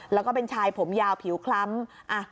แล้วก็เป็นชายผมยาวผิวคล้ำ